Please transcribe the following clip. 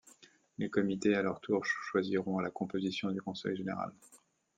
Les Comités, à leur tour, choisiront la composition du Conseil Général.